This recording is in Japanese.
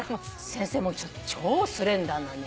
先生超スレンダーなのよ。